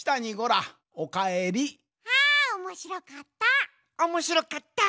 あおもしろかった！